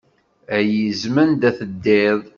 Ay izem anda teddiḍ.